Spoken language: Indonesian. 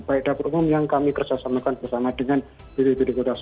baik dapur umum yang kami kersasamakan bersama dengan bppb kota semarang